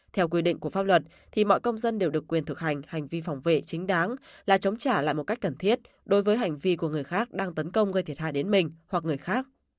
theo quy định của pháp luật thì mọi công dân đều được quyền thực hành hành vi phòng vệ chính đáng là chống trả lại một cách cần thiết đối với hành vi của người khác đang tấn công gây thiệt hại đến mình hoặc người khác